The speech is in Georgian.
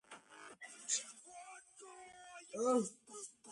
მიდამოებში მოიპოვება მარმარილო და კაოლინი.